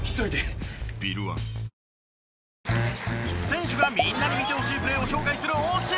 選手がみんなに見てほしいプレーを紹介する推し